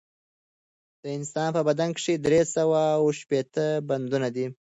د انسان په بدن کښي درې سوه او شپېته بندونه دي